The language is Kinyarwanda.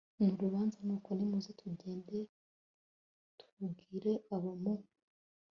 n urubanza Nuko nimuze tugende tubwire abo mu